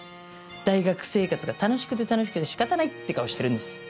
大学生活が楽しくて楽しくて仕方ないって顔してるんです。